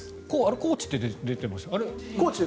コーチって出てました？